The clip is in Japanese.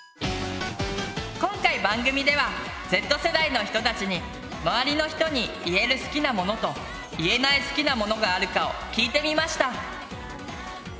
今回番組ではＺ世代の人たちに周りの人に言える好きなものと言えない好きなものがあるかを聞いてみました。